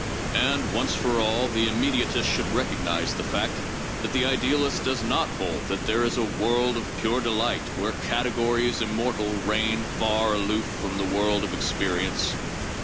And, once for all, the im mediatist should recognize the fact that the idealist does not hold that 'there is a world of pure delight' where categories immortal reign, far aloof from the world of experience.